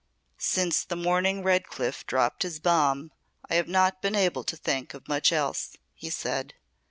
"Since the morning Redcliff dropped his bomb I have not been able to think of much else," he said.